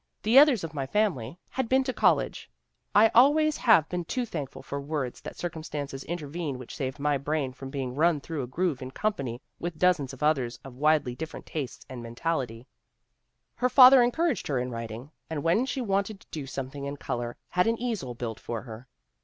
The others of my family had 94 THE WOMEN WHO MAKE OUR NOVELS been to college; I always have been too thankful for words that circumstances intervened which saved my brain from being run through a groove in company with dozens of others of widely different tastes and mentality.' ' Her father encouraged her in writing, and when she wanted to do something in color had an easel built for her.